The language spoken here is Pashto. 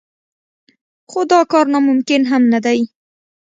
خو دا کار ناممکن هم نه دی.